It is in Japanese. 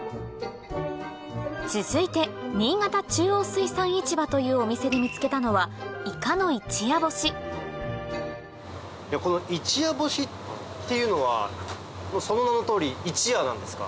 続いて新潟中央水産市場というお店で見つけたのはこの一夜干しっていうのはその名の通り「一夜」なんですか？